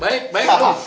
baik baik baik